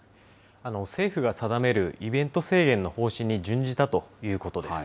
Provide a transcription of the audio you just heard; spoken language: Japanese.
政府が定めるイベント制限の方針に準じたということです。